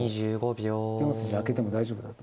４筋空けても大丈夫だと。